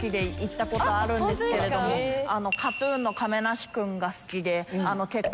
ＫＡＴ−ＴＵＮの亀梨君が好きで。